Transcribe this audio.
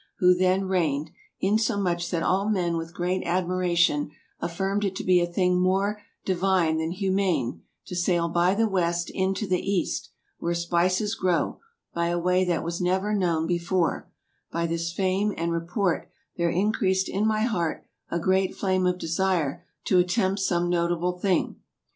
who then raigned, insomuch that all men with great admiration affirmed it to be a thing more diuine than humane, to saile by the West into the East where spices growe, by a way that was neuer knowen before, by this fame and report there increased in my heart a great flame of desire to attempt some notable thing.